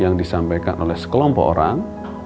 yang disampaikan oleh sekelompok orang